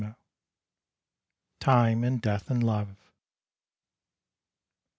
TIME AND DEATH AND LOVE.